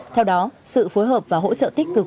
theo đó sự phối hợp và hỗ trợ tích cực